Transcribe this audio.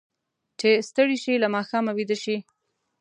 چې ستړي شي، له ماښامه ویده شي.